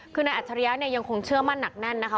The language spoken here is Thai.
คือนายอัจฉริยะเนี่ยยังคงเชื่อมั่นหนักแน่นนะคะ